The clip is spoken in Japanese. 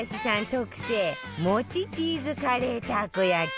特製餅チーズカレーたこ焼き